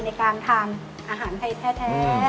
ในการทำอาหารไทยแท้